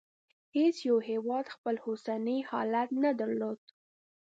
هېڅ یو هېواد خپل اوسنی حالت نه درلود.